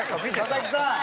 佐々木さん